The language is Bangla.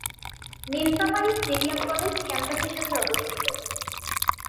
নীলফামারী স্টেডিয়াম কলেজ ক্যাম্পাসের সাথে অবস্থিত।